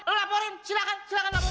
oh laporin silahkan silahkan laporin